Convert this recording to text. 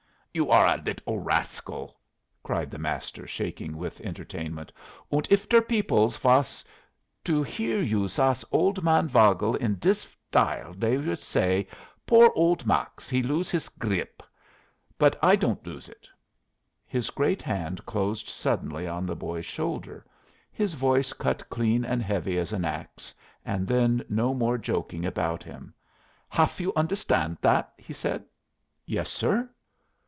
"You are a liddle rascal!" cried the master, shaking with entertainment. "Und if der peoples vas to hear you sass old Max Vogel in dis style they would say, 'Poor old Max, he lose his gr rip.' But I don't lose it." His great hand closed suddenly on the boy's shoulder, his voice cut clean and heavy as an axe, and then no more joking about him. "Haf you understand that?" he said. "Yes, sir."